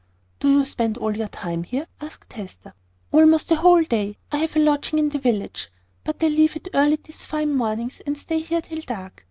"Do you spend all your time here?" asked Hester. "Almost the whole day. I have a lodging in the village; but I leave it early these fine mornings, and stay here till dark.